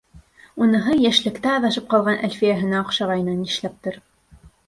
Уныһы йәшлектә аҙашып ҡалған Әлфиәһенә оҡшағайны, нишләптер.